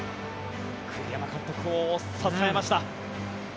栗山監督を支えました。